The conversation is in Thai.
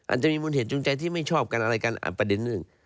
อาจจะมีมูลเหตุจูงใจที่ไม่ชอบกันอะไรกันประเด็นหนึ่ง